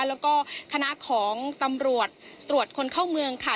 แล้วก็คณะของตำรวจตรวจคนเข้าเมืองค่ะ